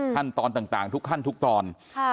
ขั้นตอนต่างทุกขั้นทุกตอน